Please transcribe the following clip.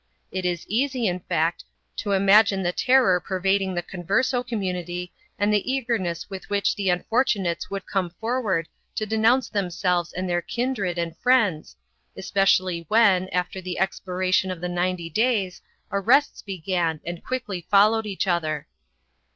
It is easy, in fact, to imagine the terror pervading the Converso community and the eagerness with which the unfortunates would come forward to denounce themselves and their kindred and friends, especially when, after the expiration of the ninety days, arrests began and quickly followed each other.